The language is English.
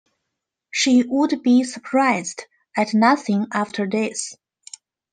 She would be surprised at nothing after this!